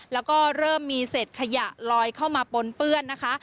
แล้วก็เริ่มมีเศษขยะลอยเข้ามาปนเปื้อนนะคะ